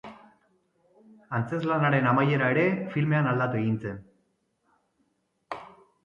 Antzezlanaren amaiera ere filmean aldatu egin zen.